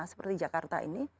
seperti jakarta ini